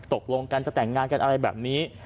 ตกลงกันจะแต่งงานกันอะไรแบบนี้